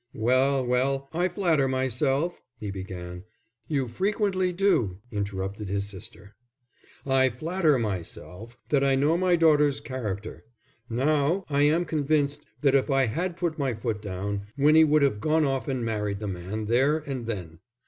"Well, well, I flatter myself " he began. "You frequently do," interrupted his sister. "I flatter myself that I know my daughter's character. Now, I am convinced that if I had put my foot down, Winnie would have gone off and married the man there and then.